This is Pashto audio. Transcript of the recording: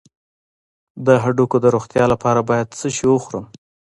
د هډوکو د روغتیا لپاره باید څه شی وخورم؟